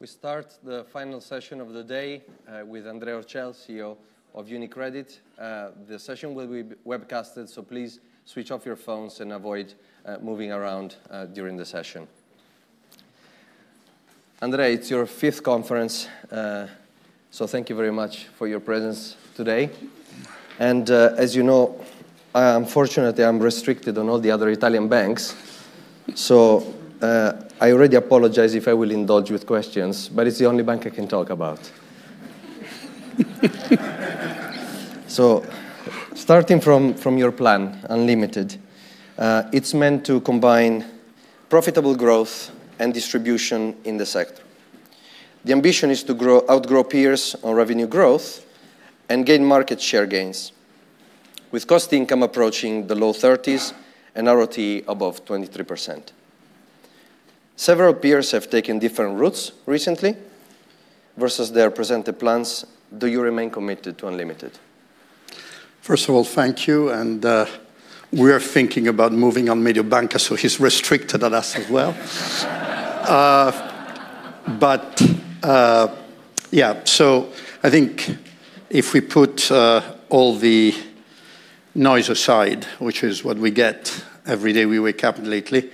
We start the final session of the day with Andrea Orcel, CEO of UniCredit. The session will be webcasted, please switch off your phones and avoid moving around during the session. Andrea, it's your fifth conference, thank you very much for your presence today. As you know, unfortunately, I'm restricted on all the other Italian banks, I already apologize if I will indulge with questions, but it's the only bank I can talk about. Starting from your plan, Unlimited. It's meant to combine profitable growth and distribution in the sector. The ambition is to outgrow peers on revenue growth and gain market share gains. With cost income approaching the low 30s and RoTE above 23%. Several peers have taken different routes recently versus their presented plans. Do you remain committed to Unlimited? First of all, thank you, we are thinking about moving on Mediobanca, he's restricted at us as well. Yeah. I think if we put all the noise aside, which is what we get every day we wake up lately,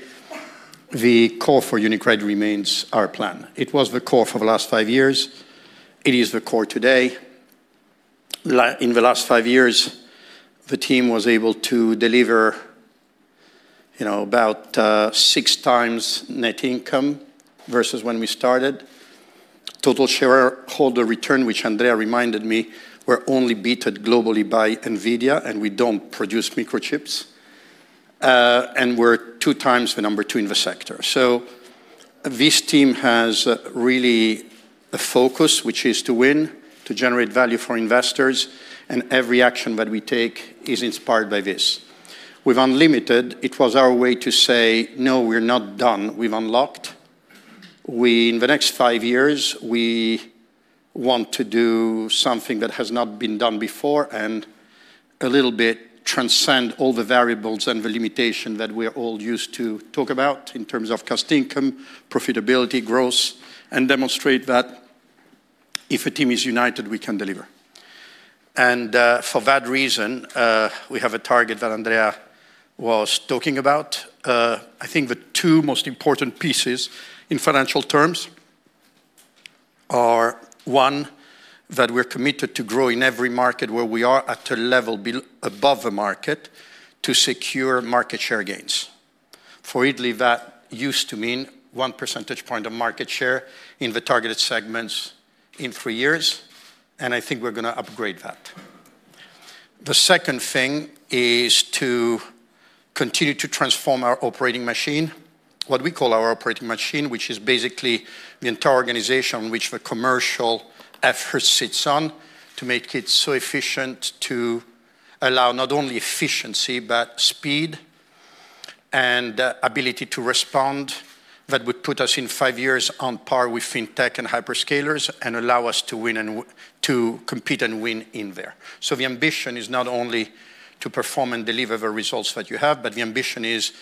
the core for UniCredit remains our plan. It was the core for the last five years. It is the core today. In the last five years, the team was able to deliver about 6x net income versus when we started. Total shareholder return, which Andrea reminded me, we're only beated globally by NVIDIA, we don't produce microchips. We're 2x the number two in the sector. This team has really a focus, which is to win, to generate value for investors, and every action that we take is inspired by this. With Unlimited, it was our way to say, "No, we're not done. We've Unlocked." In the next five years, we want to do something that has not been done before, a little bit transcend all the variables and the limitation that we're all used to talk about in terms of cost income, profitability, growth, and demonstrate that if a team is united, we can deliver. For that reason, we have a target that Andrea was talking about. I think the two most important pieces in financial terms are, one, that we're committed to grow in every market where we are at a level above the market to secure market share gains. For Italy, that used to mean one percentage point of market share in the targeted segments in three years, and I think we're going to upgrade that. The second thing is to continue to transform our operating machine, what we call our operating machine, which is basically the entire organization which the commercial effort sits on to make it so efficient to allow not only efficiency, but speed and ability to respond that would put us in five years on par with fintech and hyperscalers and allow us to compete and win in there. The ambition is not only to perform and deliver the results that you have, but the ambition is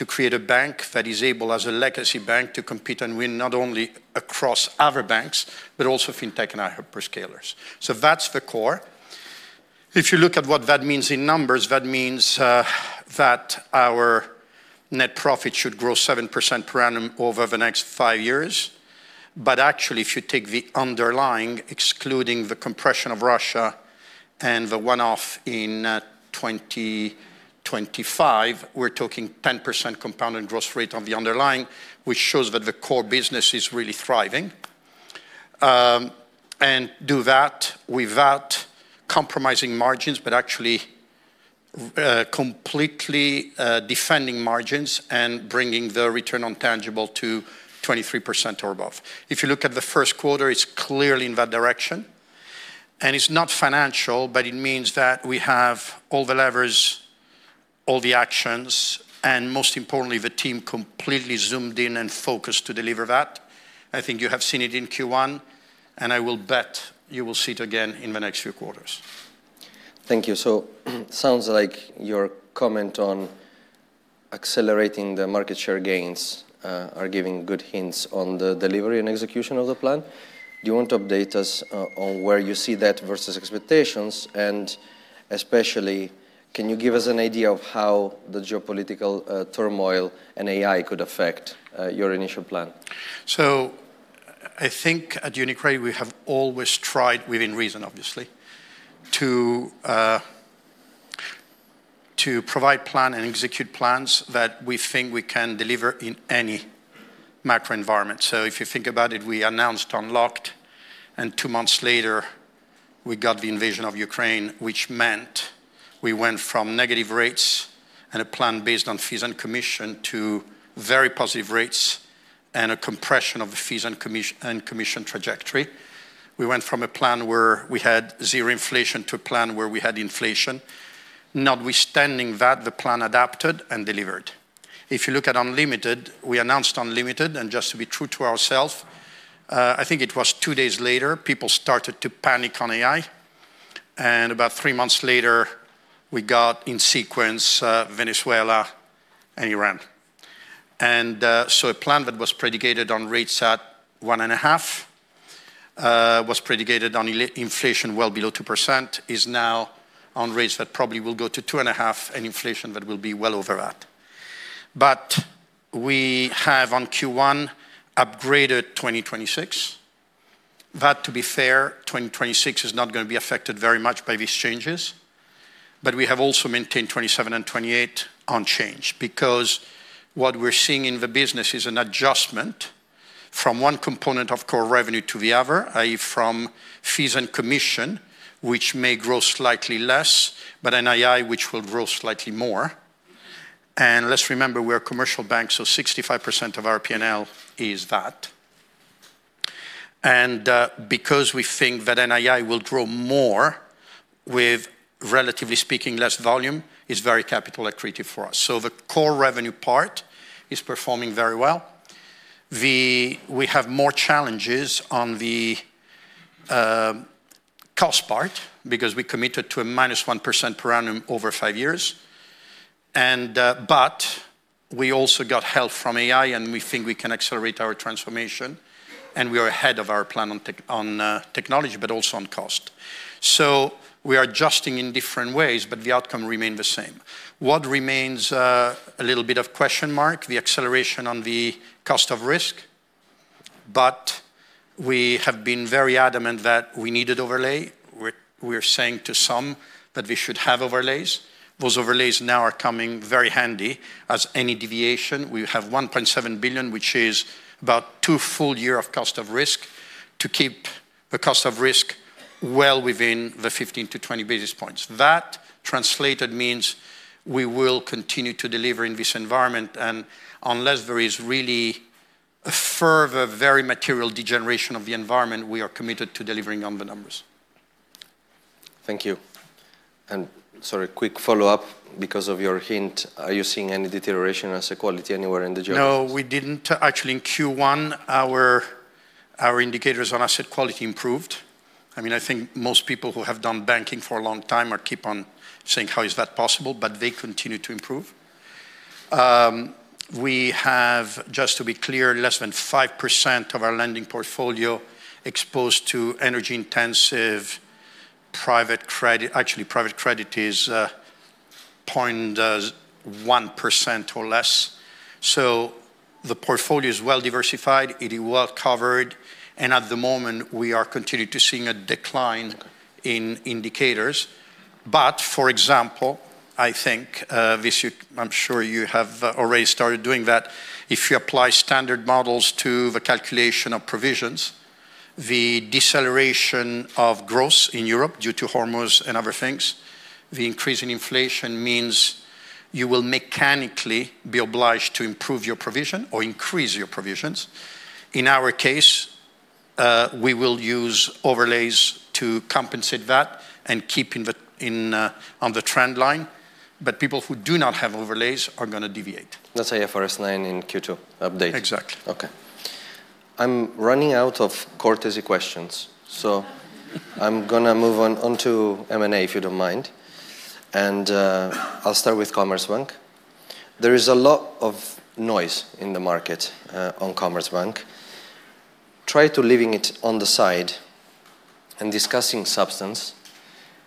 to create a bank that is able, as a legacy bank, to compete and win not only across other banks, but also fintech and our hyperscalers. That's the core. If you look at what that means in numbers, that means that our net profit should grow 7% per annum over the next five years. Actually, if you take the underlying, excluding the compression of Russia and the one-off in 2025, we're talking 10% compounded growth rate on the underlying, which shows that the core business is really thriving. Do that without compromising margins, but actually completely defending margins and bringing the return on tangible to 23% or above. If you look at the first quarter, it's clearly in that direction, and it's not financial, but it means that we have all the levers, all the actions, and most importantly, the team completely zoomed in and focused to deliver that. I think you have seen it in Q1, and I will bet you will see it again in the next few quarters. Thank you. Sounds like your comment on accelerating the market share gains are giving good hints on the delivery and execution of the plan. Do you want to update us on where you see that versus expectations? Especially, can you give us an idea of how the geopolitical turmoil and AI could affect your initial plan? I think at UniCredit, we have always tried, within reason, obviously, to provide plan and execute plans that we think we can deliver in any macro environment. If you think about it, we announced Unlocked, and two months later, we got the invasion of Ukraine, which meant we went from negative rates and a plan based on fees and commission to very positive rates and a compression of the fees and commission trajectory. We went from a plan where we had zero inflation to a plan where we had inflation. Notwithstanding that, the plan adapted and delivered. If you look at Unlimited, we announced Unlimited, and just to be true to ourselves, I think it was two days later, people started to panic on AI. About three months later, we got in sequence, Venezuela and Iran. A plan that was predicated on rates at 1.5, was predicated on inflation well below 2%, is now on rates that probably will go to 2.5, and inflation that will be well over that. We have on Q1 upgraded 2026. That, to be fair, 2026 is not going to be affected very much by these changes, but we have also maintained 2027 and 2028 unchanged because what we're seeing in the business is an adjustment from one component of core revenue to the other, i.e., from fees and commission, which may grow slightly less, but NII, which will grow slightly more. Let's remember, we're a commercial bank, so 65% of our P&L is that. Because we think that NII will grow more with, relatively speaking, less volume, is very capital accretive for us. The core revenue part is performing very well. We have more challenges on the cost part because we committed to a minus 1% per annum over five years. We also got help from AI, and we think we can accelerate our transformation, and we are ahead of our plan on technology, but also on cost. We are adjusting in different ways, but the outcome remains the same. What remains a little bit of question mark, the acceleration on the cost of risk, but we have been very adamant that we needed overlay. We are saying to some that we should have overlays. Those overlays now are coming very handy as any deviation. We have 1.7 billion, which is about two full year of cost of risk to keep the cost of risk well within the 15 to 20 basis points. That translated means we will continue to deliver in this environment, and unless there is really a further very material degeneration of the environment, we are committed to delivering on the numbers. Thank you. Sorry, quick follow-up because of your hint. Are you seeing any deterioration as a quality anywhere in the geography? No, we didn't. Actually, in Q1, our indicators on asset quality improved. I think most people who have done banking for a long time keep on saying, "How is that possible?" They continue to improve. We have, just to be clear, less than 5% of our lending portfolio exposed to energy-intensive private credit. Actually, private credit is 0.1% or less. The portfolio is well-diversified, it is well-covered, and at the moment, we are continuing to see a decline in indicators. For example, I'm sure you have already started doing that, if you apply standard models to the calculation of provisions, the deceleration of growth in Europe due to Hormuz and other things, the increase in inflation means you will mechanically be obliged to improve your provision or increase your provisions. In our case, we will use overlays to compensate that and keep on the trend line. People who do not have overlays are going to deviate. That's IFRS 9 in Q2 update. Exactly. Okay. I'm running out of courtesy questions. I'm going to move on to M&A, if you don't mind. I'll start with Commerzbank. There is a lot of noise in the market on Commerzbank. Try to leaving it on the side and discussing substance.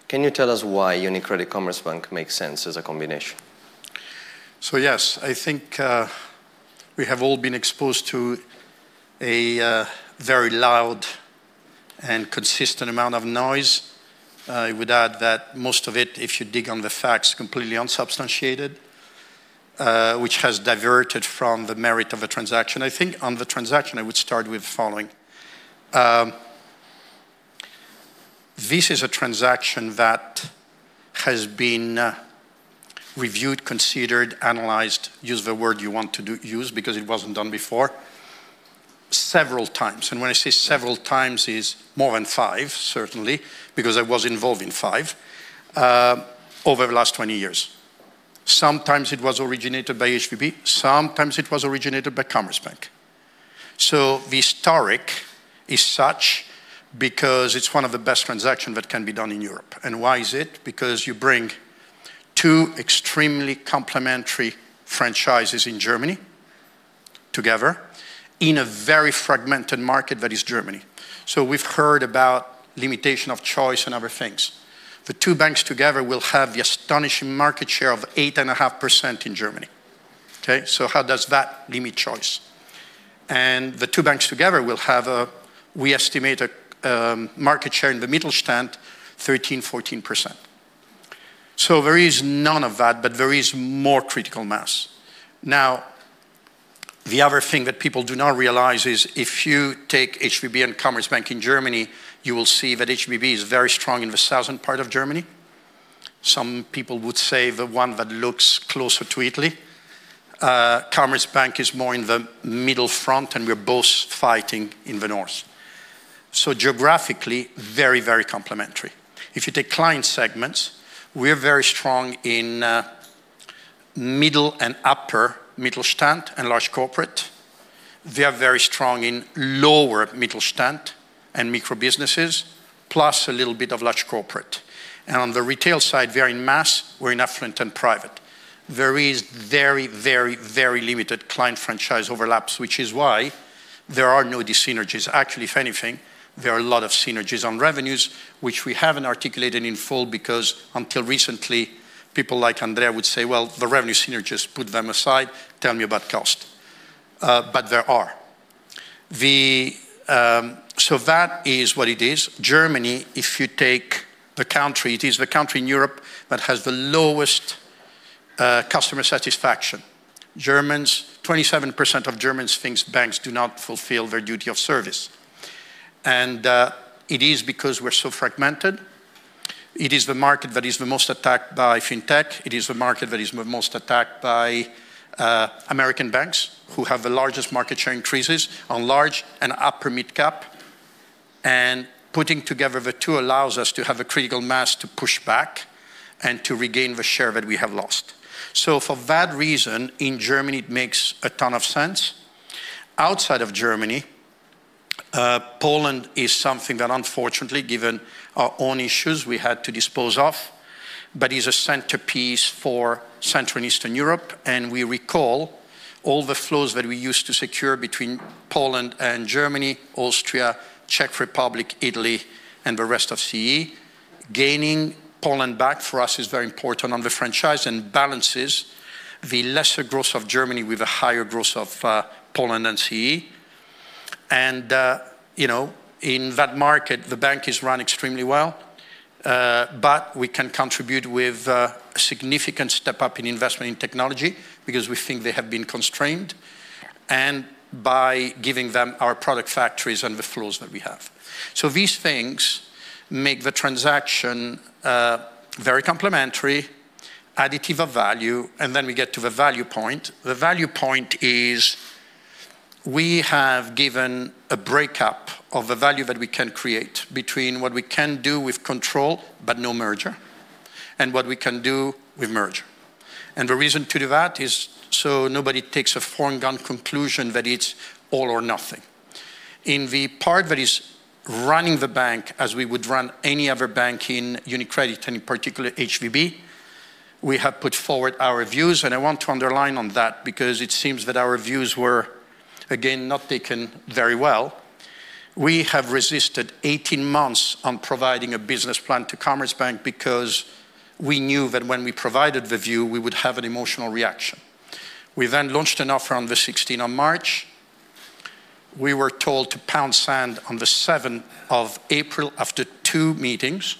Can you tell us why UniCredit Commerzbank makes sense as a combination? Yes, I think we have all been exposed to a very loud and consistent amount of noise. I would add that most of it, if you dig on the facts, completely unsubstantiated, which has diverted from the merit of the transaction. I think on the transaction, I would start with the following. This is a transaction that has been reviewed, considered, analyzed, use the word you want to use because it wasn't done before, several times. When I say several times, it's more than five, certainly, because I was involved in five over the last 20 years. Sometimes it was originated by HVB, sometimes it was originated by Commerzbank. The historic is such because it's one of the best transaction that can be done in Europe. Why is it? You bring two extremely complementary franchises in Germany together in a very fragmented market that is Germany. We've heard about limitation of choice and other things. The two banks together will have the astonishing market share of 8.5% in Germany. Okay? How does that limit choice? The two banks together will have, we estimate, a market share in the Mittelstand 13%-14%. There is none of that, but there is more critical mass. The other thing that people do not realize is if you take HVB and Commerzbank in Germany, you will see that HVB is very strong in the southern part of Germany. Some people would say the one that looks closer to Italy. Commerzbank is more in the middle front, and we're both fighting in the north. Geographically, very complementary. If you take client segments, we're very strong in Middle and upper Mittelstand and large corporate. They are very strong in lower Mittelstand and micro businesses, plus a little bit of large corporate. On the retail side, they're in mass, we're in affluent and private. There is very limited client franchise overlaps, which is why there are no dis-synergies. Actually, if anything, there are a lot of synergies on revenues, which we haven't articulated in full because until recently, people like Andrea would say, "Well, the revenue synergies, put them aside, tell me about cost." There are. That is what it is. Germany, if you take the country, it is the country in Europe that has the lowest customer satisfaction. 27% of Germans think banks do not fulfill their duty of service. It is because we're so fragmented. It is the market that is the most attacked by fintech. It is the market that is the most attacked by American banks, who have the largest market share increases on large and upper mid cap. Putting together the two allows us to have a critical mass to push back and to regain the share that we have lost. For that reason, in Germany, it makes a ton of sense. Outside of Germany, Poland is something that unfortunately, given our own issues, we had to dispose of, but is a centerpiece for Central and Eastern Europe. We recall all the flows that we used to secure between Poland and Germany, Austria, Czech Republic, Italy, and the rest of CEE. Gaining Poland back for us is very important on the franchise and balances the lesser growth of Germany with a higher growth of Poland and CEE. In that market, the bank is run extremely well. We can contribute with a significant step up in investment in technology because we think they have been constrained, and by giving them our product factories and the flows that we have. These things make the transaction very complementary, additive of value, and then we get to the value point. The value point is, we have given a breakup of the value that we can create between what we can do with control but no merger, and what we can do with merger. The reason to do that is nobody takes a foregone conclusion that it's all or nothing. In the part that is running the bank as we would run any other bank in UniCredit, and in particular HVB, we have put forward our views, and I want to underline on that because it seems that our views were, again, not taken very well. We have resisted 18 months on providing a business plan to Commerzbank because we knew that when we provided the view, we would have an emotional reaction. We launched an offer on the March 16th. We were told to pound sand on the April 7th after two meetings.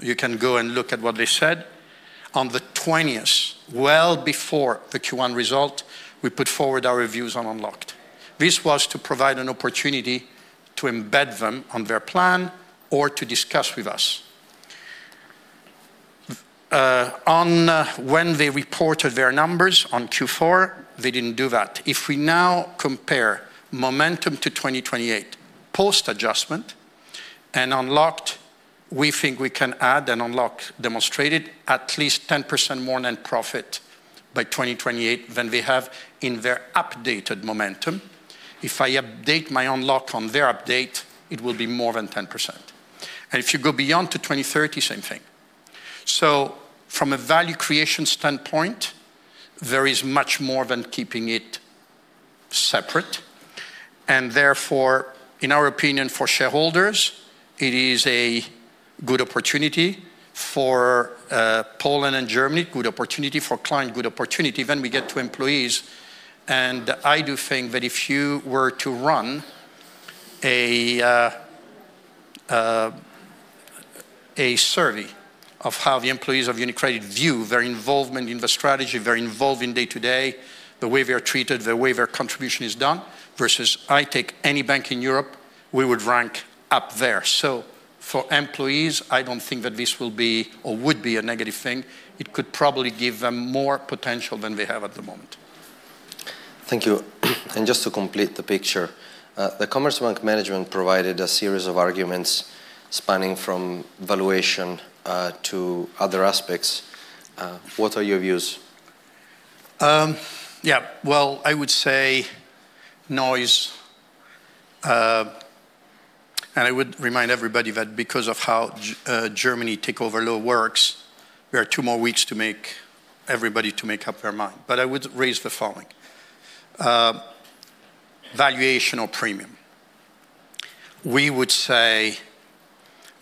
You can go and look at what they said. On the 20th, well before the Q1 result, we put forward our reviews on Unlocked. This was to provide an opportunity to embed them on their plan or to discuss with us. When they reported their numbers on Q4, they didn't do that. If we now compare Momentum to 2028, post-adjustment and Unlocked, we think we can add and Unlocked demonstrated at least 10% more net profit by 2028 than they have in their updated Momentum. If I update my Unlocked on their update, it will be more than 10%. If you go beyond to 2030, same thing. From a value creation standpoint, there is much more than keeping it separate, and therefore, in our opinion, for shareholders, it is a good opportunity for Poland and Germany, good opportunity for client, good opportunity when we get to employees. I do think that if you were to run a survey of how the employees of UniCredit view their involvement in the strategy, their involvement day to day, the way they are treated, the way their contribution is done, versus I take any bank in Europe, we would rank up there. For employees, I don't think that this will be or would be a negative thing. It could probably give them more potential than they have at the moment. Thank you. Just to complete the picture, the Commerzbank management provided a series of arguments spanning from valuation to other aspects. What are your views? Yeah. Well, I would say noise. I would remind everybody that because of how Germany takeover law works, we have two more weeks to make everybody to make up their mind. I would raise the following. Valuational premium. We would say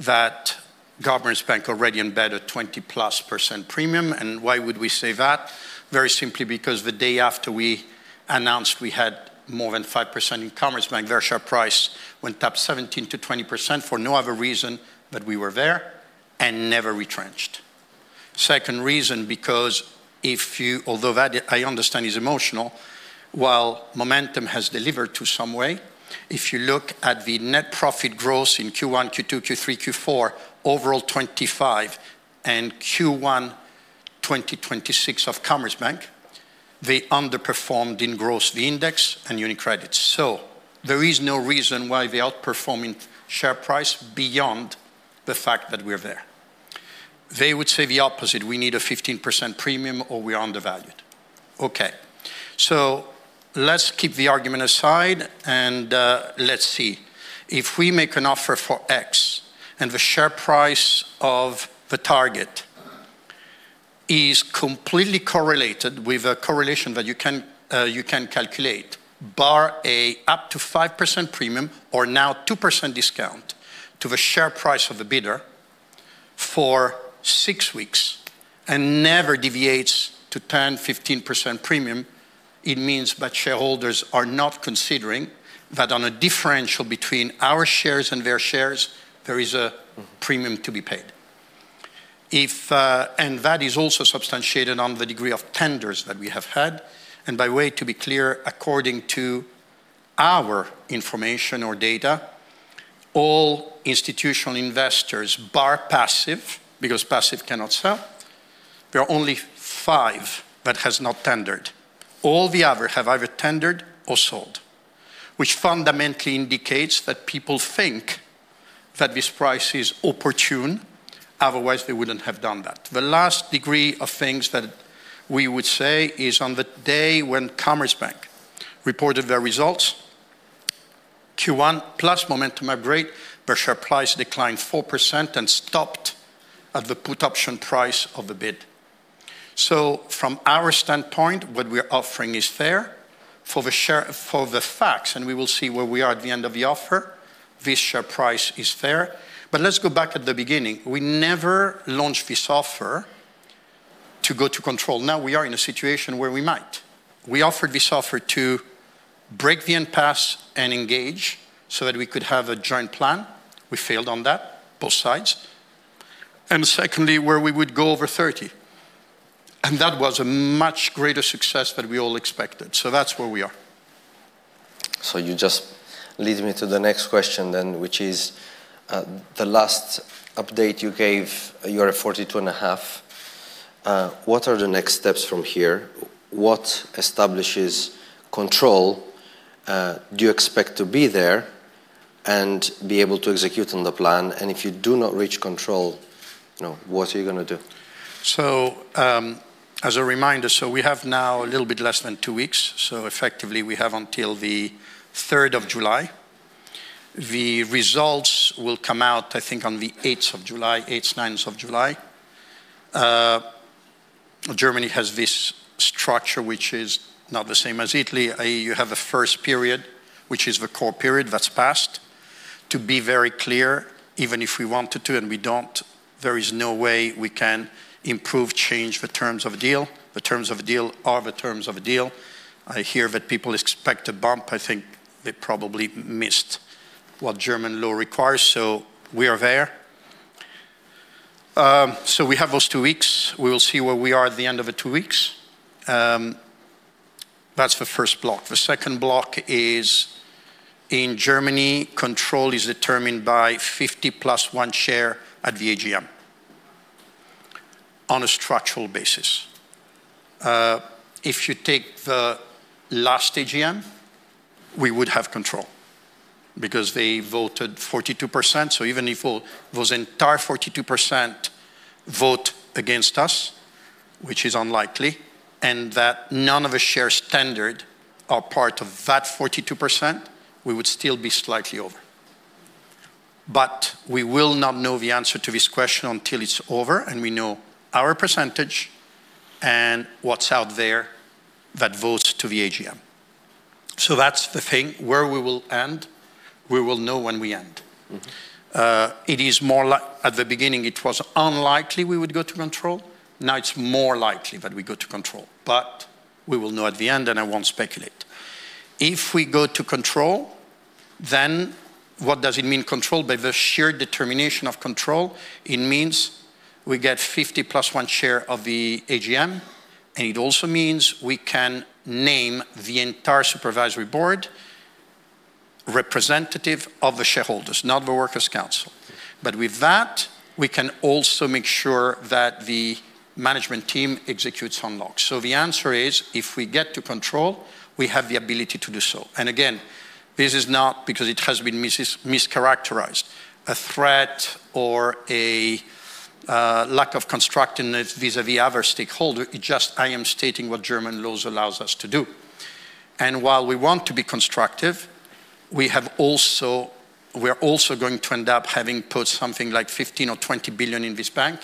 that Commerzbank already embed a 20%+ premium. Why would we say that? Very simply because the day after we announced we had more than 5% in Commerzbank, their share price went up 17% to 20% for no other reason than we were there and never retrenched. Second reason, because although that I understand is emotional. While Momentum has delivered to some way, if you look at the net profit growth in Q1, Q2, Q3, Q4, overall 2025, and Q1 2026 of Commerzbank, they underperformed in gross the index and UniCredit. There is no reason why they're outperforming share price beyond the fact that we're there. They would say the opposite, "We need a 15% premium or we're undervalued." Okay. Let's keep the argument aside and let's see. If we make an offer for X and the share price of the target is completely correlated with a correlation that you can calculate, bar a up to 5% premium or now 2% discount to the share price of the bidder for six weeks and never deviates to 10%, 15% premium, it means that shareholders are not considering that on a differential between our shares and their shares, there is a premium to be paid. That is also substantiated on the degree of tenders that we have had. By way to be clear, according to our information or data, all institutional investors bar passive, because passive cannot sell, there are only five that has not tendered. All the other have either tendered or sold, which fundamentally indicates that people think that this price is opportune. Otherwise, they wouldn't have done that. The last degree of things that we would say is on the day when Commerzbank reported their results, Q1 plus Momentum upgrade, their share price declined 4% and stopped at the put option price of the bid. From our standpoint, what we're offering is fair. For the facts, and we will see where we are at the end of the offer, this share price is fair. Let's go back at the beginning. We never launched this offer to go to control. Now we are in a situation where we might. We offered this offer to break the impasse and engage so that we could have a joint plan. We failed on that, both sides. Secondly, where we would go over 30. That was a much greater success than we all expected. That's where we are. You just lead me to the next question, which is, the last update you gave, you are at 42.5. What are the next steps from here? What establishes control? Do you expect to be there and be able to execute on the plan? If you do not reach control, what are you going to do? As a reminder, we have now a little bit less than two weeks. Effectively we have until the July 3rd. The results will come out, I think, on the July 8th, 8th,July 9th. Germany has this structure which is not the same as Italy. You have a first period, which is the core period that's passed. To be very clear, even if we wanted to and we don't, there is no way we can improve, change the terms of a deal. The terms of a deal are the terms of a deal. I hear that people expect a bump. I think they probably missed what German law requires. We are there. We have those two weeks. We will see where we are at the end of the two weeks. That's the first block. The second block is in Germany, control is determined by 50+1 share at the AGM on a structural basis. If you take the last AGM, we would have control because they voted 42%. Even if those entire 42% vote against us, which is unlikely, and that none of the share standard are part of that 42%, we would still be slightly over. We will not know the answer to this question until it's over and we know our percentage and what's out there that votes to the AGM. That's the thing. Where we will end, we will know when we end. At the beginning, it was unlikely we would go to control. Now it's more likely that we go to control. We will know at the end, and I won't speculate. If we go to control, what does it mean control? By the sheer determination of control, it means we get 50+1 share of the AGM, and it also means we can name the entire supervisory board representative of the shareholders, not the workers' council. With that, we can also make sure that the management team executes on lock. The answer is, if we get to control, we have the ability to do so. Again, this is not because it has been mischaracterized a threat or a lack of constructiveness vis-à-vis other stakeholder. It just I am stating what German laws allows us to do. While we want to be constructive, we're also going to end up having put something like 15 billion or 20 billion in this bank,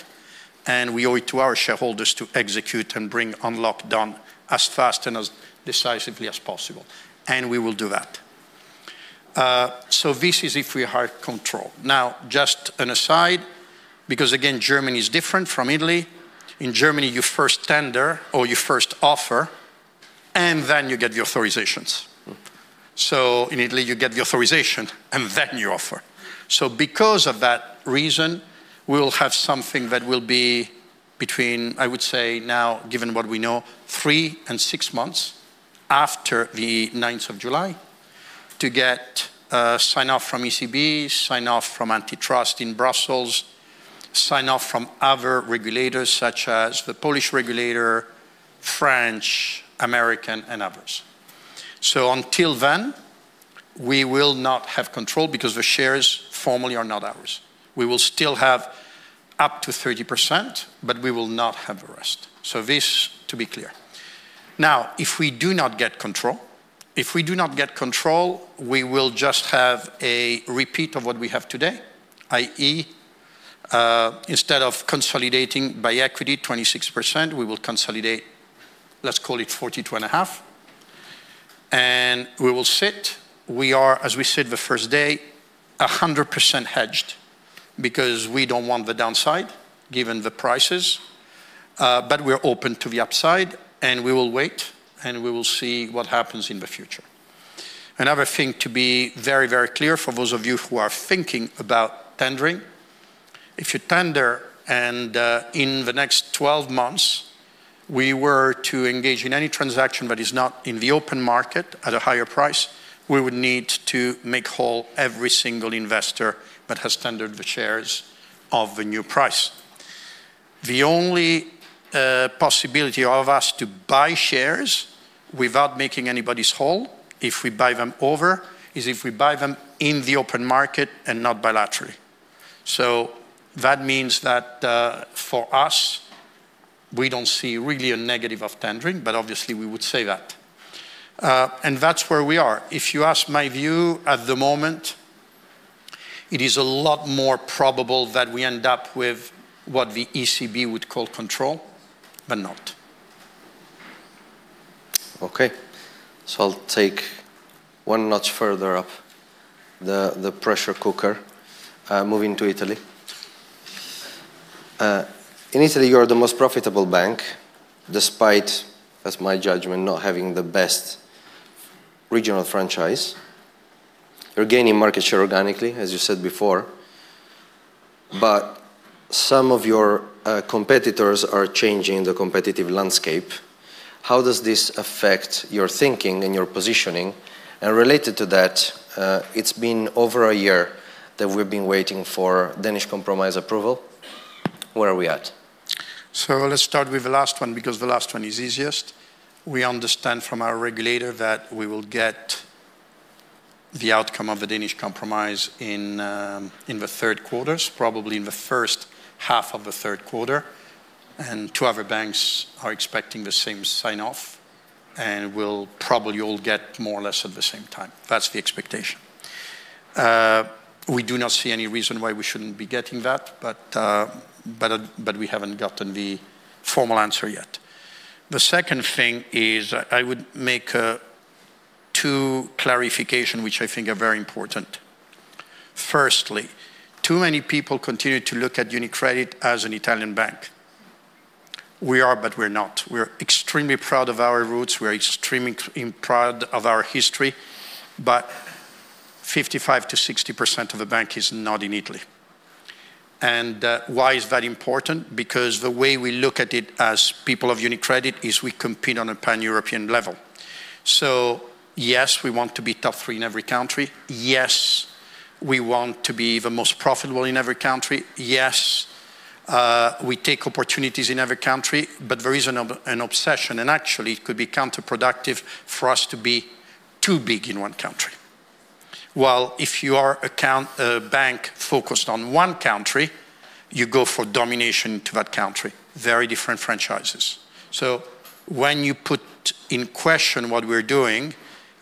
and we owe it to our shareholders to execute and bring Unlocked done as fast and as decisively as possible. We will do that. This is if we had control. Now, just an aside, because again, Germany is different from Italy. In Germany, you first tender or you first offer, and then you get the authorizations. In Italy, you get the authorization and then you offer. Because of that reason, we will have something that will be between, I would say now, given what we know, three and six months after the July 9th. To get sign off from ECB, sign off from antitrust in Brussels, sign off from other regulators such as the Polish regulator, French, American, and others. Until then, we will not have control because the shares formally are not ours. We will still have up to 30%, but we will not have the rest. This, to be clear. If we do not get control, we will just have a repeat of what we have today, i.e., instead of consolidating by equity 26%, we will consolidate, let's call it 42.5%, and we will sit. We are, as we said the first day, 100% hedged because we don't want the downside given the prices, but we're open to the upside, and we will wait, and we will see what happens in the future. Another thing to be very clear for those of you who are thinking about tendering. If you tender, and in the next 12 months, we were to engage in any transaction that is not in the open market at a higher price, we would need to make whole every single investor that has tendered the shares of the new price. The only possibility of us to buy shares without making anybody's whole, if we buy them over, is if we buy them in the open market and not bilaterally. That means that, for us, we don't see really a negative of tendering, but obviously we would say that. That's where we are. If you ask my view at the moment, it is a lot more probable that we end up with what the ECB would call control, but not. I'll take one notch further up the pressure cooker, moving to Italy. In Italy, you are the most profitable bank, despite, that's my judgment, not having the best regional franchise. You're gaining market share organically, as you said before, some of your competitors are changing the competitive landscape. How does this affect your thinking and your positioning? Related to that, it's been over a year that we've been waiting for Danish Compromise approval. Where are we at? Let's start with the last one, because the last one is easiest. We understand from our regulator that we will get the outcome of the Danish Compromise in the third quarter, probably in the first half of the third quarter, two other banks are expecting the same sign-off, and we'll probably all get more or less at the same time. That's the expectation. We do not see any reason why we shouldn't be getting that, we haven't gotten the formal answer yet. The second thing is I would make two clarifications, which I think are very important. Firstly, too many people continue to look at UniCredit as an Italian bank. We are, we're not. We're extremely proud of our roots, we're extremely proud of our history, 55%-60% of the bank is not in Italy. Why is that important? Because the way we look at it as people of UniCredit is we compete on a pan-European level. Yes, we want to be top three in every country. Yes, we want to be the most profitable in every country. Yes, we take opportunities in every country. There is an obsession, and actually it could be counterproductive for us to be too big in one country. While if you are a bank focused on one country, you go for domination to that country. Very different franchises. When you put in question what we're doing,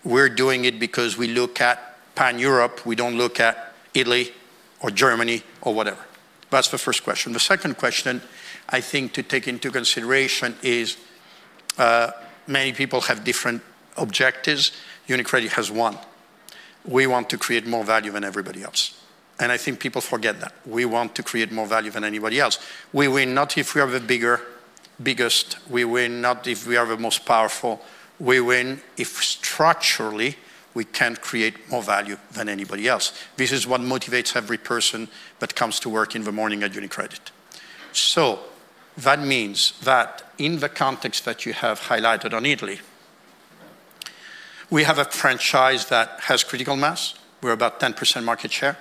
we're doing it because we look at pan-Europe. We don't look at Italy or Germany or whatever. That's the first question. The second question I think to take into consideration is many people have different objectives. UniCredit has one. We want to create more value than everybody else, I think people forget that. We want to create more value than anybody else. We win, not if we are the biggest. We win, not if we are the most powerful. We win if structurally we can create more value than anybody else. This is what motivates every person that comes to work in the morning at UniCredit. That means that in the context that you have highlighted on Italy, we have a franchise that has critical mass. We're about 10% market share.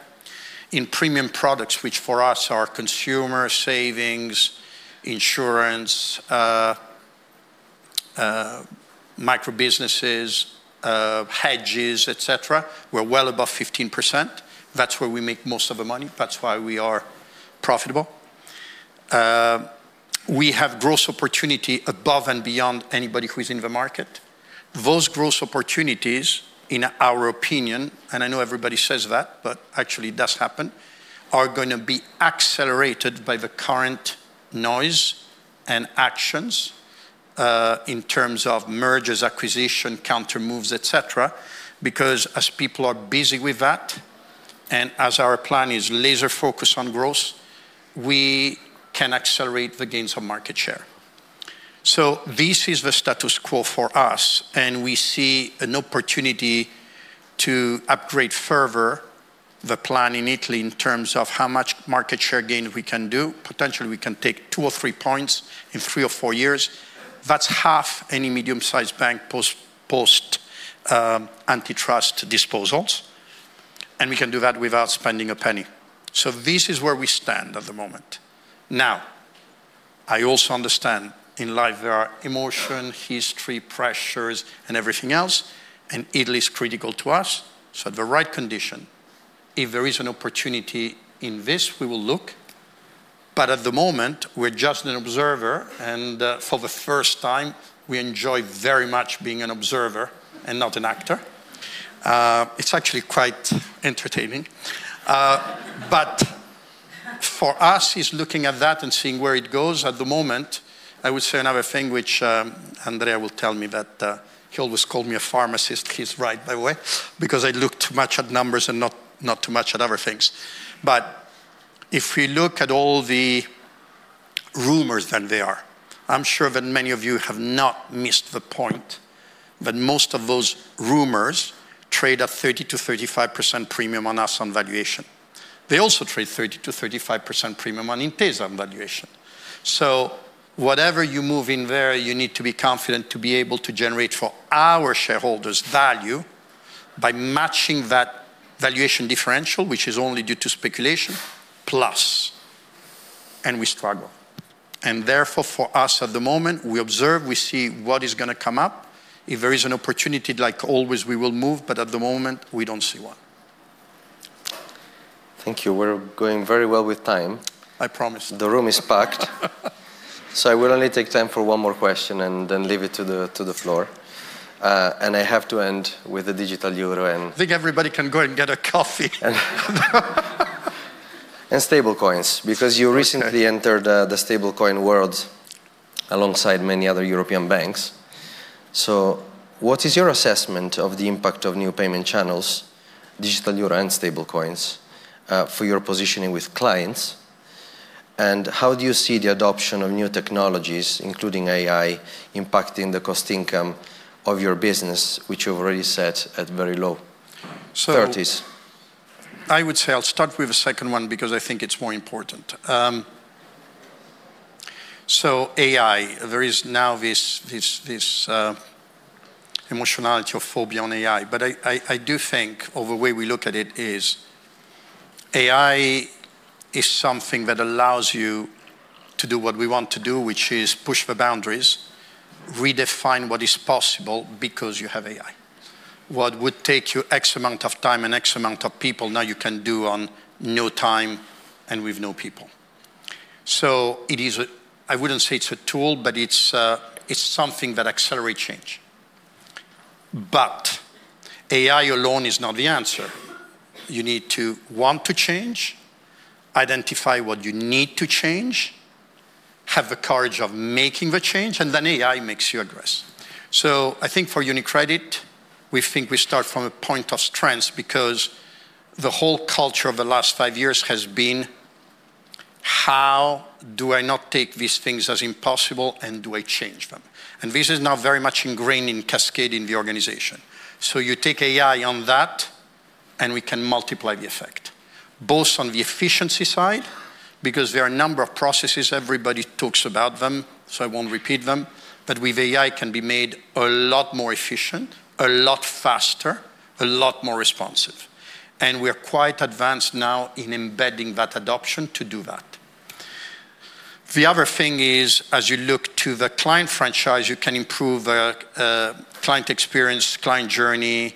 In premium products, which for us are consumer savings, insurance, micro-businesses, hedges, et cetera, we're well above 15%. That's where we make most of the money. That's why we are profitable. We have growth opportunity above and beyond anybody who is in the market. Those growth opportunities, in our opinion, and I know everybody says that, but actually it does happen, are going to be accelerated by the current noise and actions, in terms of mergers, acquisition, countermoves, et cetera. As people are busy with that, and as our plan is laser-focused on growth, we can accelerate the gains of market share. This is the status quo for us, and we see an opportunity to upgrade further the plan in Italy in terms of how much market share gain we can do, potentially we can take two or three points in three or four years. That's half any medium-sized bank post antitrust disposals, and we can do that without spending a penny. This is where we stand at the moment. I also understand in life there are emotion, history, pressures, and everything else, and Italy is critical to us, so at the right condition, if there is an opportunity in this, we will look. At the moment, we're just an observer, and for the first time, we enjoy very much being an observer and not an actor. It's actually quite entertaining. For us, it's looking at that and seeing where it goes at the moment. I would say another thing, which Andrea will tell me that he always called me a pharmacist. He's right, by the way, because I look too much at numbers and not too much at other things. If we look at all the rumors that there are, I'm sure that many of you have not missed the point that most of those rumors trade a 30%-35% premium on us on valuation. They also trade 30%-35% premium on Intesa valuation. Whatever you move in there, you need to be confident to be able to generate for our shareholders value by matching that valuation differential, which is only due to speculation, plus, and we struggle. Therefore, for us at the moment, we observe, we see what is going to come up. If there is an opportunity, like always, we will move, but at the moment, we don't see one. Thank you. We're going very well with time. I promise. The room is packed. I will only take time for one more question and then leave it to the floor. I have to end with the digital euro. I think everybody can go and get a coffee. Stablecoins, because you recently entered the stablecoin world alongside many other European banks. What is your assessment of the impact of new payment channels, digital euro and stablecoins, for your positioning with clients? How do you see the adoption of new technologies, including AI, impacting the cost income of your business, which you've already set at very low 30s? I would say I'll start with the second one because I think it's more important. AI, there is now this emotionality or phobia on AI. I do think of the way we look at it is AI is something that allows you to do what we want to do, which is push the boundaries, redefine what is possible because you have AI. What would take you X amount of time and X amount of people, now you can do on no time and with no people. I wouldn't say it's a tool, but it's something that accelerates change. AI alone is not the answer. You need to want to change, identify what you need to change, have the courage of making the change, and then AI makes you address. I think for UniCredit, we think we start from a point of strength because the whole culture of the last five years has been, how do I not take these things as impossible, and do I change them? This is now very much ingrained and cascading the organization. You take AI on that, and we can multiply the effect, both on the efficiency side, because there are a number of processes, everybody talks about them, I won't repeat them, but with AI can be made a lot more efficient, a lot faster, a lot more responsive. We are quite advanced now in embedding that adoption to do that. The other thing is, as you look to the client franchise, you can improve the client experience, client journey,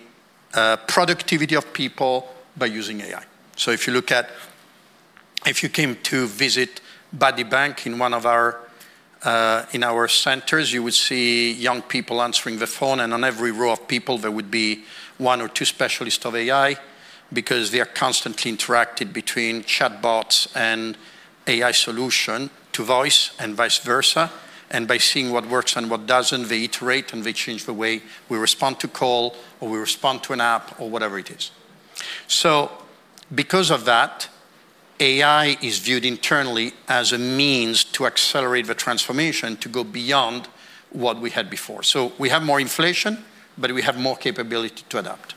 productivity of people by using AI. If you came to visit buddybank in our centers, you would see young people answering the phone, and on every row of people, there would be one or two specialists of AI because they are constantly interacting between chatbots and AI solution to voice and vice versa. By seeing what works and what doesn't, they iterate and they change the way we respond to call or we respond to an app or whatever it is. Because of that, AI is viewed internally as a means to accelerate the transformation to go beyond what we had before. We have more inflation, but we have more capability to adapt.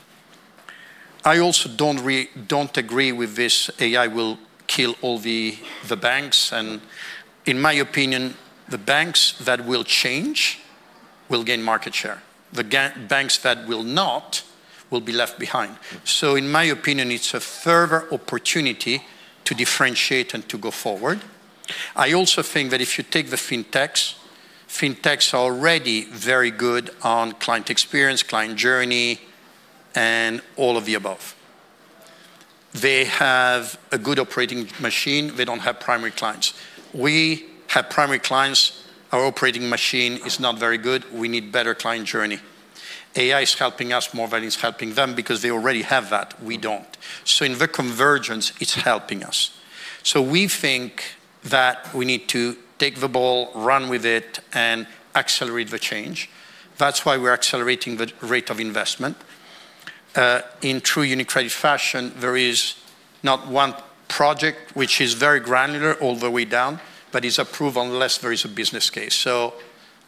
I also don't agree with this AI will kill all the banks, in my opinion, the banks that will change will gain market share. The banks that will not, will be left behind. In my opinion, it's a further opportunity to differentiate and to go forward. I also think that if you take the fintechs are already very good on client experience, client journey, and all of the above. They have a good operating machine. They don't have primary clients. We have primary clients. Our operating machine is not very good. We need better client journey. AI is helping us more than it's helping them because they already have that. We don't. In the convergence, it's helping us. We think that we need to take the ball, run with it, and accelerate the change. That's why we're accelerating the rate of investment. In true UniCredit fashion, there is not one project which is very granular all the way down, but is approved unless there is a business case.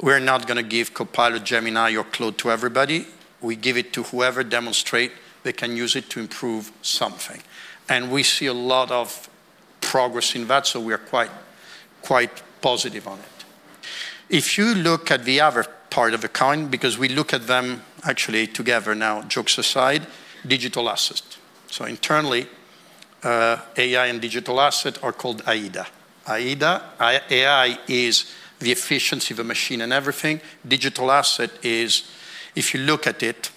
We're not going to give Copilot, Gemini, or Claude to everybody. We give it to whoever demonstrate they can use it to improve something. We see a lot of progress in that, we are quite positive on it. If you look at the other part of the coin, because we look at them actually together now, jokes aside, digital asset. Internally, AI and digital asset are called AIDA. AIDA, AI is the efficiency of a machine and everything. Digital asset is, if you look at it,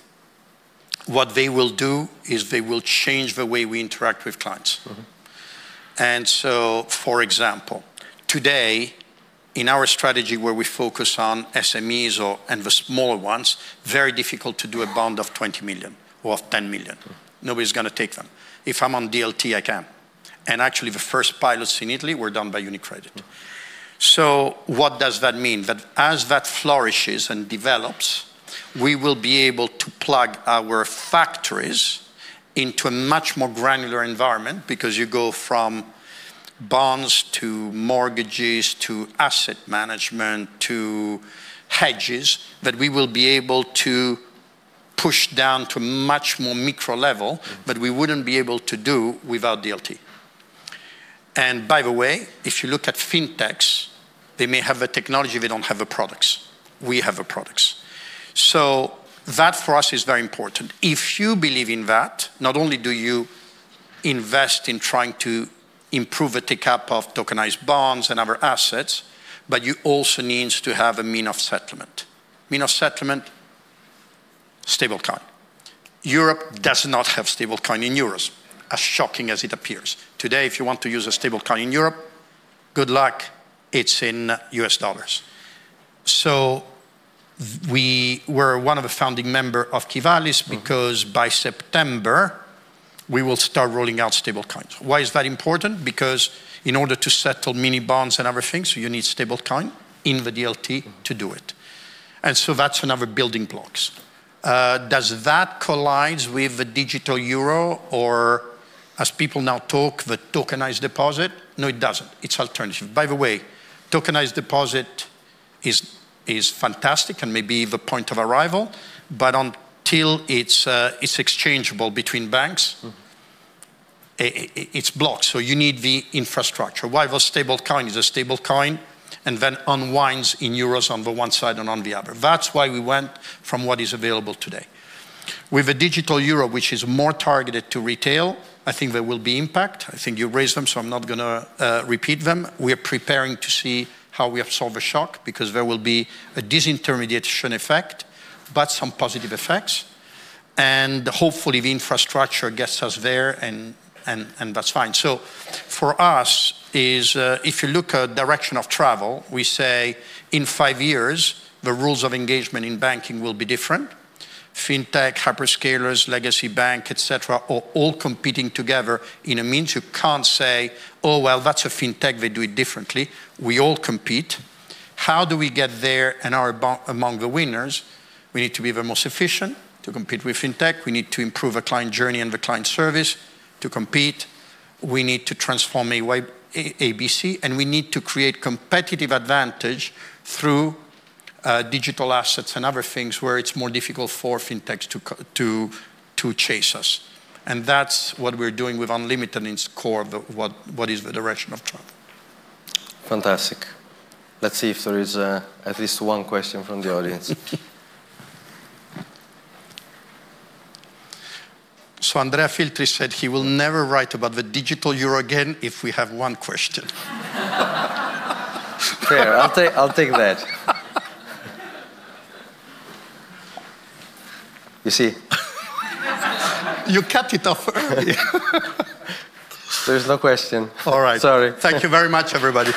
what they will do is they will change the way we interact with clients. For example, today in our strategy where we focus on SMEs and the smaller ones, very difficult to do a bond of 20 million or of 10 million. Nobody's going to take them. If I'm on DLT, I can. Actually, the first pilots in Italy were done by UniCredit. What does that mean? That as that flourishes and develops, we will be able to plug our factories into a much more granular environment because you go from bonds to mortgages, to asset management, to hedges that we will be able to push down to much more micro level that we wouldn't be able to do without DLT. By the way, if you look at fintechs, they may have the technology, they don't have the products. We have the products. That for us is very important. If you believe in that, not only do you invest in trying to improve the take-up of tokenized bonds and other assets, but you also need to have a mean of settlement. Mean of settlement, stablecoin. Europe does not have stablecoin in euros, as shocking as it appears. Today, if you want to use a stablecoin in Europe, good luck, it's in US dollars. We were one of the founding member of Qivalis. Because by September, we will start rolling out stablecoins. Why is that important? Because in order to settle mini bonds and other things, you need stablecoin in the DLT to do it. That's another building blocks. Does that collide with the digital euro or as people now talk, the tokenized deposit? No, it doesn't. It's alternative. By the way, tokenized deposit is fantastic and may be the point of arrival, but until it's exchangeable between banks. it's blocked. You need the infrastructure. While the stablecoin is a stablecoin, and then unwinds in euros on the one side and on the other. That's why we went from what is available today. With a digital euro, which is more targeted to retail, I think there will be impact. I think you raised them, so I'm not going to repeat them. We are preparing to see how we absorb a shock because there will be a disintermediation effect, but some positive effects. Hopefully, the infrastructure gets us there and that's fine. For us is, if you look at direction of travel, we say in five years, the rules of engagement in banking will be different. Fintech, hyperscalers, legacy bank, et cetera, are all competing together in a means you can't say, "Oh well, that's a fintech. They do it differently." We all compete. How do we get there and are among the winners? We need to be the most efficient to compete with fintech. We need to improve the client journey and the client service to compete. We need to transform ABC, and we need to create competitive advantage through digital assets and other things where it's more difficult for fintechs to chase us. That's what we're doing with Unlimited in core of what is the direction of travel. Fantastic. Let's see if there is at least one question from the audience. Andrea Filtri said he will never write about the digital euro again if we have one question. Fair. I'll take that. You see? You cut it off early. There's no question. All right. Sorry. Thank you very much, everybody.